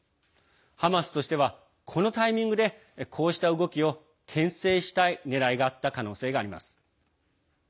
ハマスとしてはこのタイミングでこうした動きをけん制したいねらいがあったとみられます。